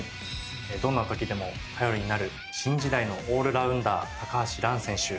どんなときでも頼りになる新時代のオールラウンダー橋藍選手。